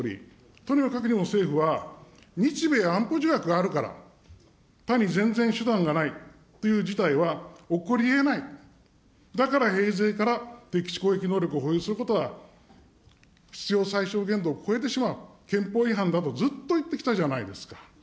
とにもかくにも政府は、日米安保条約があるから、他に全然手段がないという事態は起こりえない、だから平生から敵基地攻撃能力を保有することは、必要最小限度を超えてしまう、憲法違反だとずっと言ってきたじゃないですか。